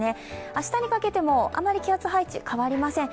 明日にかけてもあまり気圧配置、変わりません。